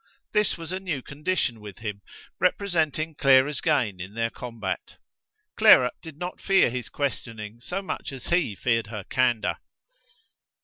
This was a new condition with him, representing Clara's gain in their combat. Clara did not fear his questioning so much as he feared her candour.